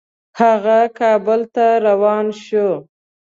هغه کابل ته روان شو.